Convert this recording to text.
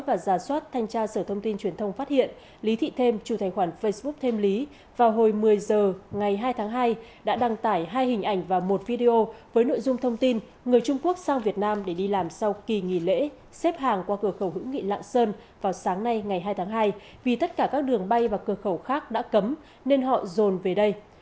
với nội dung thông tin người trung quốc sang việt nam để đi làm sau kỳ nghỉ lễ xếp hàng qua cửa khẩu hữu nghị lạng sơn vào sáng nay ngày hai tháng hai vì tất cả các đường bay và cửa khẩu khác đã cấm nên họ dồn về đây